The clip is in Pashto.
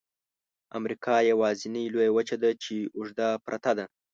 امریکا یوازني لویه وچه ده چې اوږده پرته ده.